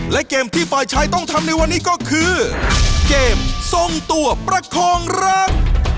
และเกมที่ฝ่ายชายต้องทำในวันนี้ก็คือเกมทรงตัวประคองรัก